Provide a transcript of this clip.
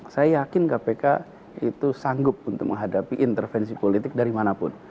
saya yakin kpk itu sanggup untuk menghadapi intervensi politik dari manapun